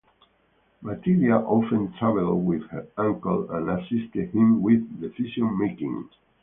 Matidia often traveled with her uncle and assisted him with decision-making.